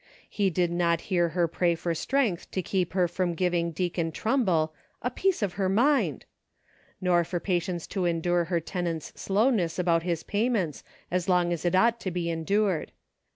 He did not SAGE CONCLUSIONS. 1 63 hear her pray for strength to keep her from giving Deacon Trumble a "piece of her mind," nor for patience to endure her tenant's slowness about his payments as long as it ought to be endured.